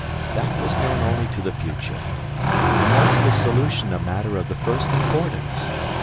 That was known only to the future. And was the solution a matter of the first importance?